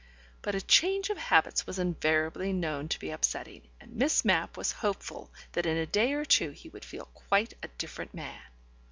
But a change of habits was invariably known to be upsetting, and Miss Mapp was hopeful that in a day or two he would feel quite a different man.